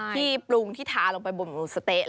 ที่ปรุงที่ทาลงไปบนหมูสะเต๊ะ